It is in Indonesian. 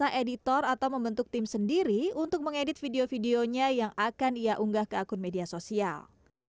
dan jasa editor atau membentuk tim sendiri untuk mengedit video videonya yang akan ia unggah ke akun media sosial